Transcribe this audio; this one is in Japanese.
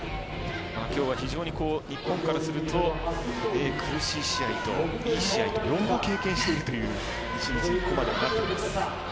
今日は非常に日本からすると苦しい試合といい試合と両方経験しているという１日にここまではなっています。